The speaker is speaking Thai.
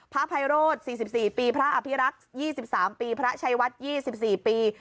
พระไพโรธ๔๔ปีพระอภิรักษ์๒๓ปีพระชัยวัด๒๔ปี